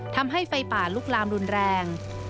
ทำให้ไฟป่าลุกลามรุนแรง